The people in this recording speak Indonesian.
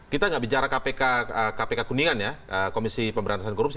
kita nggak bicara kpk kuningan ya komisi pemberantasan korupsi